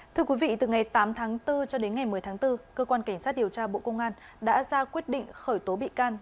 thưa quý vị từ ngày tám tháng bốn cho đến ngày một mươi tháng bốn cơ quan cảnh sát điều tra bộ công an đã ra quyết định khởi tố bị can